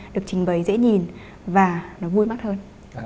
được trình bày dễ nhìn và nó vui mắt hơn